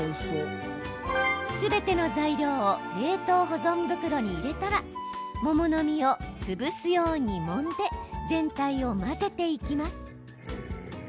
すべての材料を冷凍保存袋に入れたら桃の実を潰すようにもんで全体を混ぜていきます。